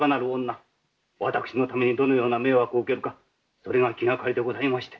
私のためにどのような迷惑を受けるかそれが気がかりでございまして。